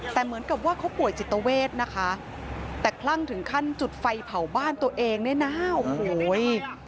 แต่เหมือนกับว่าเขาป่วยจิตเวทนะคะแต่คลั่งถึงขั้นจุดไฟเผาบ้านตัวเองเนี่ยนะโอ้โห